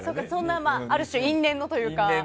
ある種、因縁のというか。